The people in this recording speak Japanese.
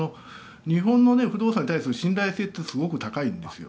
日本の不動産に対する信頼ってすごく高いんですよ。